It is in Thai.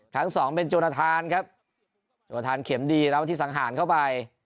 สองเป็นจนทานครับโจทานเข็มดีแล้ววันที่สังหารเข้าไป